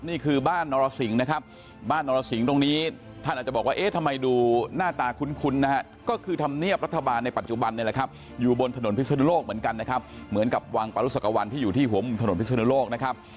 นี่คือบ้านนรสิงนะครับบ้านนรสิงห์ตรงนี้ท่านอาจจะบอกว่าเอ๊ะทำไมดูหน้าตาคุ้นนะฮะก็คือธรรมเนียบรัฐบาลในปัจจุบันเนี่ยแหละครับอยู่บนถนนพิศนุโลกเหมือนกันนะครับเหมือนกับวังปรุศักวรรณที่อยู่ที่หัวมุมถนนพิศนุโลกนะครับ